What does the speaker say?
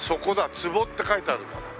「壺」って書いてあるから。